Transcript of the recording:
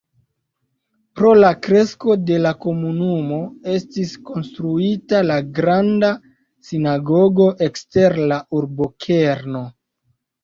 Pro la kresko de la komunumo estis konstruita la Granda sinagogo ekster la urbokerno.